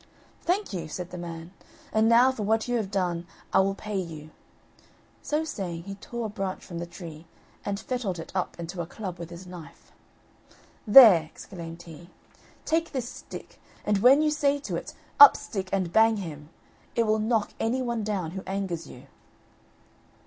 "Thank you," said the man; "and now for what you have done I will pay you;" so saying, he tore a branch from the tree, and fettled it up into a club with his knife. "There," exclaimed he; "take this stick, and when you say to it, 'Up stick and bang him,' it will knock any one down who angers you."